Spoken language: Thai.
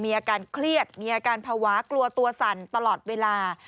มีอาการเครียดมีอาการภาวะกลัวตัวสั่นตลอดเวลา